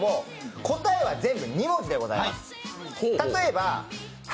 答えは全部２文字でございます。